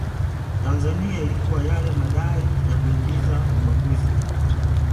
Tanzania ilikuwa yale madai ya kuingiza ubaguzi